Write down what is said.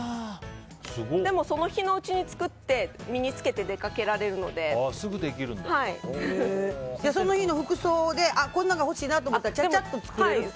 その日のうちに作って身に着けて出かけられるのでその日の服装でこんなのが欲しいなと思ったらちゃちゃっと作れると？